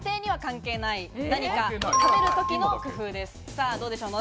さぁ、どうでしょうか？